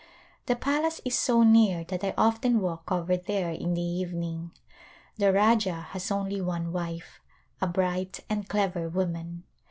The palace is so near that I often walk over there in the evening. The Rajah has only one wife — a bright and clever woman.